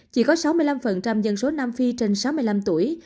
chỉ có sáu mươi năm dân số nam phi trên sáu mươi năm tuổi